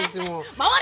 回れ！